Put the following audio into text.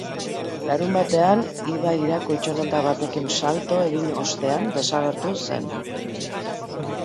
Larunbatean ibaira koltxoneta batekin salto egin ostean desagertu zen.